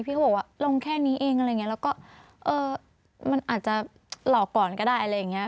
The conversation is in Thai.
เขาบอกว่าลงแค่นี้เองอะไรอย่างนี้แล้วก็เออมันอาจจะหลอกก่อนก็ได้อะไรอย่างเงี้